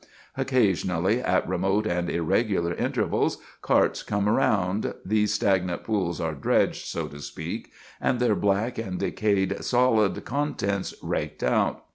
Occasionally, at remote and irregular intervals, carts come round, these stagnant pools are dredged, so to speak, and their black and decayed solid contents raked out.